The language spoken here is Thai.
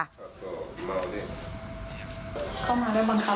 พี่น้องของผู้เสียหายแล้วเสร็จแล้วมีการของผู้น้องเข้าไป